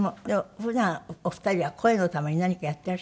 普段お二人は声のために何かやってらっしゃるの？